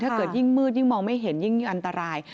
ถ้าเกิดยิ่งมืดยิ่งมองไม่เห็นยิ่งอันตราย